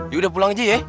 yaudah pulang aja ya